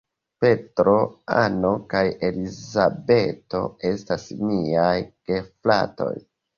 Petro, Anno kaj Elizabeto estas miaj gefratoj.